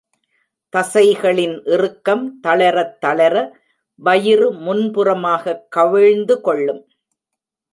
தசைகளின் இறுக்கம் தளரத் தளர, வயிறு முன்புறமாகக் கவிழ்ந்து கொள்ளும்.